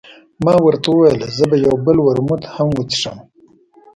ما ورته وویل، زه به یو بل ورموت هم وڅښم.